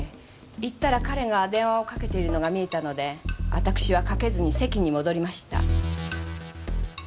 行ったら彼が電話をかけているのが見えたので私はかけずに席に戻りました。